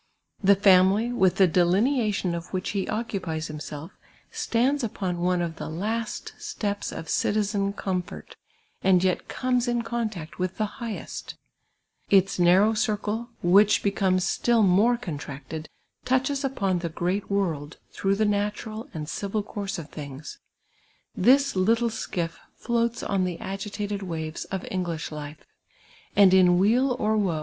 'llie family, with the de lineation of which he occupies himself, stands upon one of the last steps of citizen comfort, and yet comes in contact with the highest ; its narrow circle, which becomes still more contracted, touches u])on the great world through the natural and civil course of things; this little skiff floats on the agitated waves of Knglish life, and in weal or wo